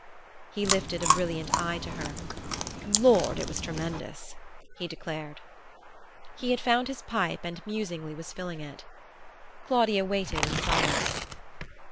He lifted a brilliant eye to her. "Lord, it was tremendous!" he declared. He had found his pipe and was musingly filling it. Claudia waited in silence.